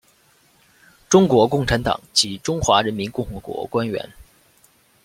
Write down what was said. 中国共产党及中华人民共和国官员。